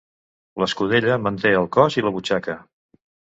L'escudella manté el cos i la butxaca.